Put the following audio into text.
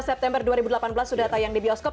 september dua ribu delapan belas sudah tayang di bioskop